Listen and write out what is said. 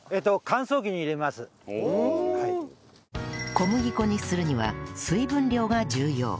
小麦粉にするには水分量が重要